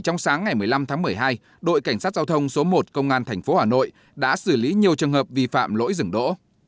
ngày một mươi năm tháng một mươi hai đội cảnh sát giao thông số một công an thành phố hà nội đã xử lý nhiều trường hợp vi phạm lỗi rừng đỗ